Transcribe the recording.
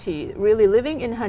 tất cả những gia đình